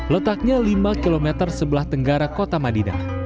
letaknya lima km sebelah tenggara kota madinah